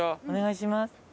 お願いします。